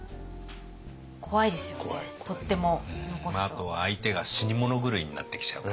あと相手が死に物狂いになってきちゃうからね。